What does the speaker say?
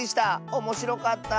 おもしろかった。